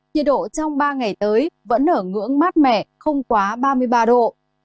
nhiệt độ trong ba ngày tới vẫn ở ngưỡng mát mẻ không quá ba mươi ba độ